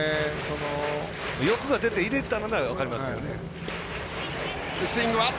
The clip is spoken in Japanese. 欲が出て入れたなら分かりますけど。